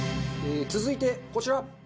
続いてこちら。